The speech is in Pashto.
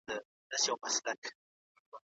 هغه ویلي چي د نورو د نظرونو په پرتله لویه پوهه دی.